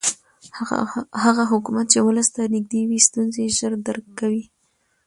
هغه حکومت چې ولس ته نږدې وي ستونزې ژر درک کوي